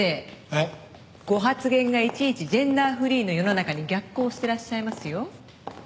えっ？ご発言がいちいちジェンダーフリーの世の中に逆行してらっしゃいますよ。